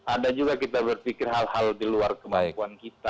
ada juga kita berpikir hal hal di luar kemampuan kita